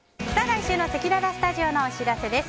来週のせきららスタジオのお知らせです。